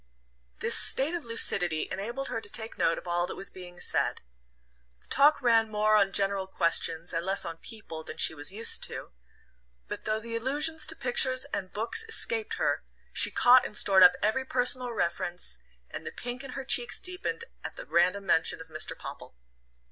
This state of lucidity enabled her to take note of all that was being said. The talk ran more on general questions, and less on people, than she was used to; but though the allusions to pictures and books escaped her, she caught and stored up every personal reference, and the pink in her cheeks deepened at a random mention of Mr. Popple.